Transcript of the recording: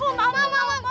gua mau mau mau